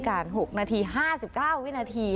ไม่รู้ทำอย่างไร